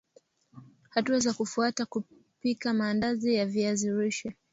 Hatua za kufuata kupika maandazi ya viazi lishe